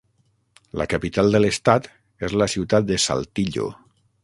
La capital de l'estat és la ciutat de Saltillo.